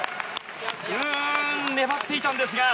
粘っていたんですが。